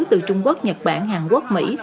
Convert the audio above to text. từ trung quốc nhật bản hàn quốc mỹ